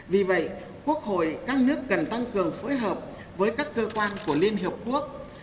vì vậy quốc hội các nước cần tăng cường phối hợp với các cơ quan của liên hiệp quốc